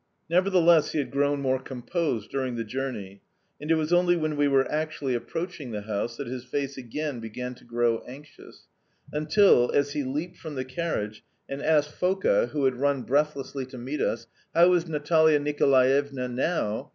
Nevertheless he had grown more composed during the journey, and it was only when we were actually approaching the house that his face again began to grow anxious, until, as he leaped from the carriage and asked Foka (who had run breathlessly to meet us), "How is Natalia Nicolaevna now?"